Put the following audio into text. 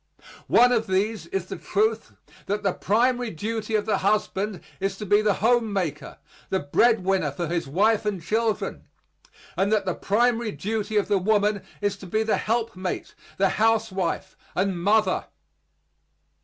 One of these is the truth that the primary duty of the husband is to be the home maker, the breadwinner for his wife and children, and that the primary duty of the woman is to be the helpmate, the housewife, and mother.